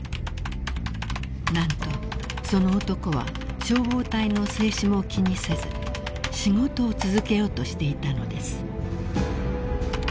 ［何とその男は消防隊の制止も気にせず仕事を続けようとしていたのです］